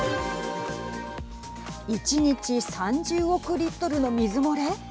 １日３０億リットルの水漏れ。